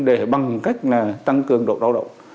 để bằng cách là tăng cường độ lao động